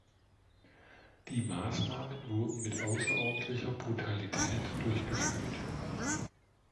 Die Maßnahmen wurden mit außerordentlicher Brutalität durchgeführt.